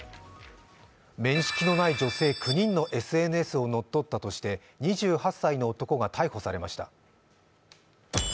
面識のない女性９人のＳＮＳを乗っ取ったとして２８歳の男が逮捕されました。